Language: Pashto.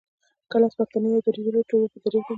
که لس پښتانه او يو دري ژبی وي ټول بیا په دري غږېږي